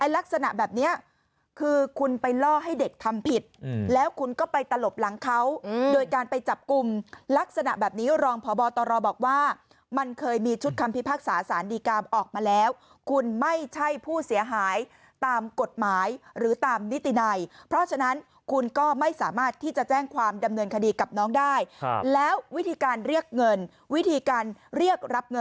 ลักษณะแบบนี้คือคุณไปล่อให้เด็กทำผิดแล้วคุณก็ไปตลบหลังเขาโดยการไปจับกลุ่มลักษณะแบบนี้รองพบตรบอกว่ามันเคยมีชุดคำพิพากษาสารดีกามออกมาแล้วคุณไม่ใช่ผู้เสียหายตามกฎหมายหรือตามนิตินัยเพราะฉะนั้นคุณก็ไม่สามารถที่จะแจ้งความดำเนินคดีกับน้องได้แล้ววิธีการเรียกเงินวิธีการเรียกรับเงิน